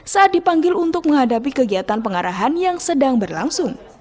saat dipanggil untuk menghadapi kegiatan pengarahan yang sedang berlangsung